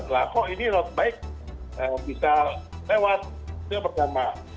lah kok ini road bike bisa lewat itu yang pertama